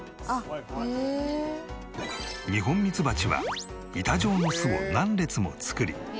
ニホンミツバチは板状の巣を何列も作り